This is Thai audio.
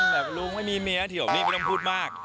แบบลุงไม่มีเมียที่หกนี่ไม่ต้องพูดมาก